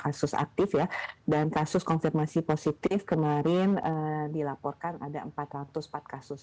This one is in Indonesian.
empat ratus tiga kasus aktif dan kasus konfirmasi positif kemarin dilaporkan ada empat ratus empat kasus